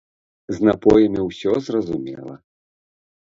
З напоямі ўсё зразумела.